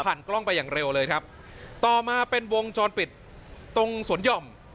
กล้องไปอย่างเร็วเลยครับต่อมาเป็นวงจรปิดตรงสวนหย่อม